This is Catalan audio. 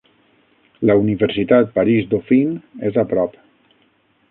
La Universitat París-Dauphine és a prop.